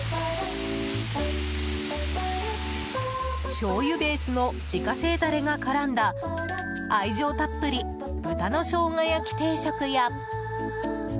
しょうゆベースの自家製ダレが絡んだ愛情たっぷり豚のしょうが焼き定食や。